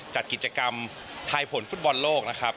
จัดกิจกรรมทายผลฟุตบอลโลกนะครับ